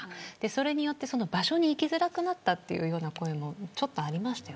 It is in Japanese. それによって、その場所に行きづらくなったという声もありました。